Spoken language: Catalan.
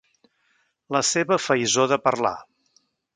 La seva faisó de parlar.